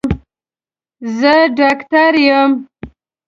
زه ډاکټر یم